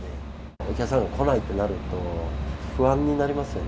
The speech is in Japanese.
お客さんが来ないってなると、不安になりますよね。